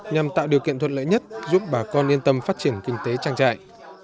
nhằm tạo điều kiện thuận lợi nhất giúp bà con yên tâm phát triển kinh tế trang trại